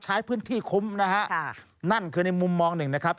ใช้พื้นที่คุ้มนะฮะค่ะนั่นคือในมุมมองหนึ่งนะครับ